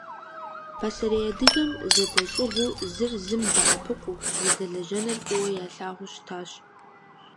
Пасэрей адыгэм зэдэщӀыгъуу, зыр зым дэӀэпыкъуу зэдэлэжьэныр фӀыуэ ялъагъуу щытащ.